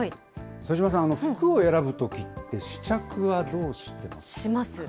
副島さん、服を選ぶときって試着はどうしてますか？